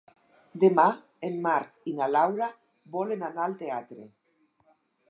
Demà en Marc i na Laura volen anar al teatre.